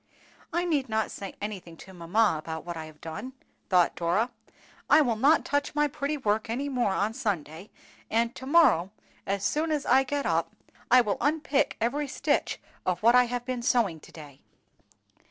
"I need not say anything to mamma about what I have done," thought Dora. "I will not touch my pretty work any more on Sunday; and to morrow, as soon as I get up, I will unpick every stitch of what I have been sewing to day.